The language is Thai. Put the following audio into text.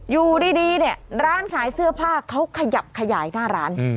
อยู่ดีเนี่ยร้านขายเสื้อผ้าเขาขยับขยายหน้าร้าน